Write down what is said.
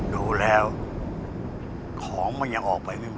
ดูแล้วของมันยังออกไปไม่หมด